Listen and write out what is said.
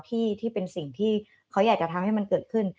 ที่เป็นสิ่งที่เขาอยากจะทำให้มันเกิดขึ้น